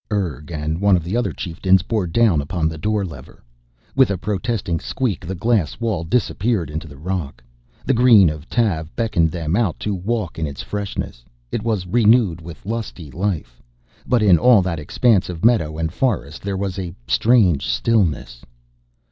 Urg and one of the other chieftains bore down upon the door lever. With a protesting squeak, the glass wall disappeared into the rock. The green of Tav beckoned them out to walk in its freshness; it was renewed with lusty life. But in all that expanse of meadow and forest there was a strange stillness.